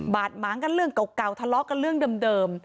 ดหมางกันเรื่องเก่าทะเลาะกันเรื่องเดิม